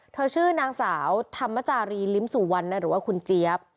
ชื่อนางสาวธรรมจารีลิ้มสุวรรณหรือว่าคุณเจี๊ยบ